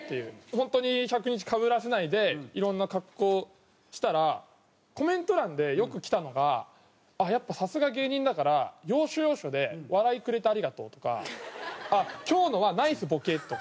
本当に１００日かぶらせないでいろんな格好したらコメント欄でよく来たのが「あっやっぱさすが芸人だから要所要所で笑いくれてありがとう」とか「今日のはナイスボケ」とか。